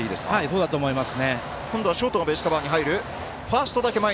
そうだと思います。